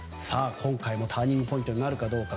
今回もターニングポイントになるかどうか。